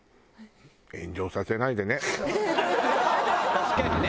確かにね。